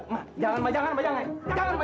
ma jangan ma jangan ma